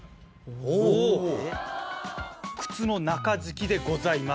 ・おぉ・靴の中敷きでございます。